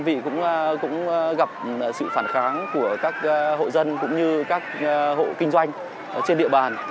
thời gian đầu đơn vị cũng gặp sự phản kháng của các hộ dân cũng như các hộ kinh doanh trên địa bàn